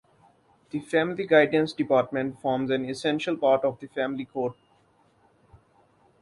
The Family Guidance Department forms an essential part of the family court.